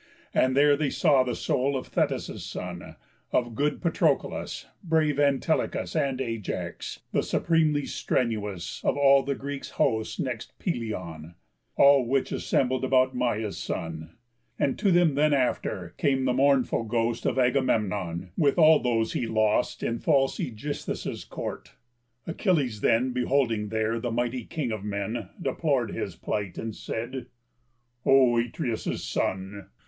And there they saw the soul of Thetis' son, Of good Patroclus, brave Antilochus, And Ajax, the supremely strenuous Of all the Greek host next Pelëion; All which assembled about Maia's son. And to them, after, came the mournful ghost Of Agamemnon, with all those he lost In false Ægisthus' court. Achilles then Beholding there that mighty king of men, Deplor'd his plight, and said: "O Atreus' son!